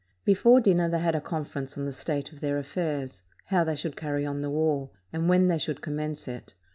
Before dirmer they had a conference on the state of their affairs, how they should carry on the war, and 573 PORTUGAL when they should commence it.